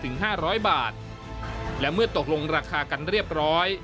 ห้าร้อยบาทและเมื่อตกลงราคากันเรียบร้อย